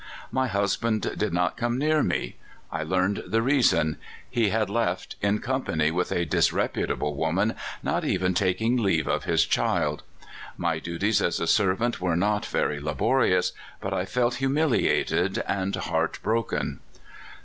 My husband did not come near me. 1 learned the reason : he had left, in company with a disreputable woman, not even taking leave of his child. My duties as a servant were not very labo rious, but I felt humiliated and heart broken.